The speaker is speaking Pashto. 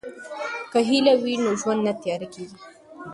که هیله وي نو ژوند نه تیاره کیږي.